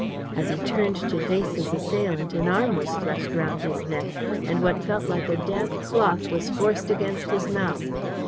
As he turned to face his assailant, an arm was thrust round his neck, and what felt like a damp cloth was forced against his mouth.